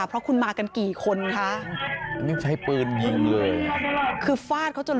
เพราะคุณมากันกี่คนคะนี่ใช้ปืนยิงเลยคือฟาดเขาจน